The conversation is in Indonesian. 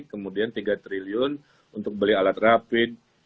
kemudian tiga triliun untuk beli alat rapid